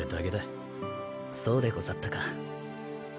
そうでござったか。